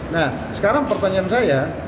nah sekarang pertanyaan saya